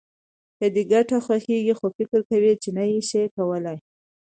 که دې ګټه خوښېږي خو فکر کوې چې نه يې شې کولای.